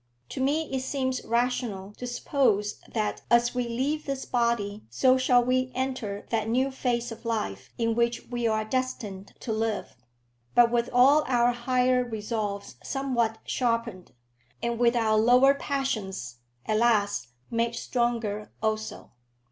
To me it seems rational to suppose that as we leave this body so shall we enter that new phase of life in which we are destined to live; but with all our higher resolves somewhat sharpened, and with our lower passions, alas! made stronger also.